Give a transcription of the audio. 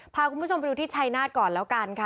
พาคุณผู้ชมไปดูที่ชัยนาธก่อนแล้วกันค่ะ